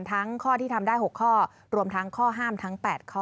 ข้อที่ทำได้๖ข้อรวมทั้งข้อห้ามทั้ง๘ข้อ